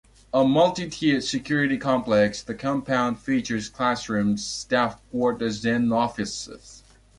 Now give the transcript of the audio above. A multi-tiered security complex, the compound features classrooms, staff quarters and offices.